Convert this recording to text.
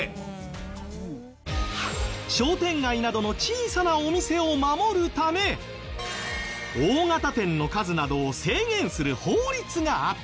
商店街などの小さなお店を守るため大型店の数などを制限する法律があったから。